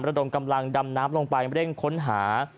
ระดมกำลังดำน้ำลงไปเร่งค้นหา